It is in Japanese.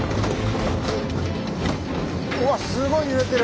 うわっすごい揺れてる！